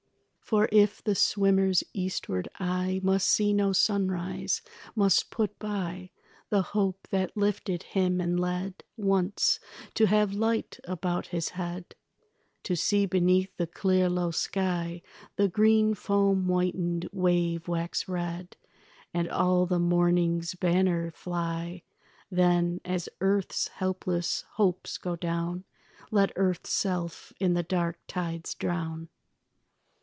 For if the swimmer's eastward eye Must see no sunrise—must put by The hope that lifted him and led Once, to have light about his head, To see beneath the clear low sky The green foam whitened wave wax red And all the morning's banner fly— Then, as earth's helpless hopes go down, Let earth's self in the dark tides drown.